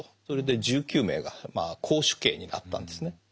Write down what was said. それで１９名が絞首刑になったんですね。